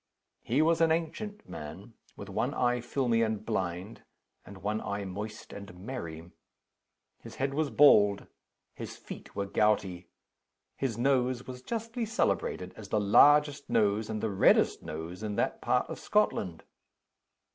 He was an ancient man with one eye filmy and blind, and one eye moist and merry. His head was bald; his feet were gouty; his nose was justly celebrated as the largest nose and the reddest nose in that part of Scotland.